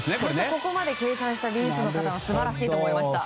ここまで計算した技術の方素晴らしいと思いました。